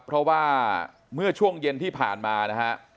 เพราะว่าเมื่อช่วงเย็นที่ผ่านมานะฮะ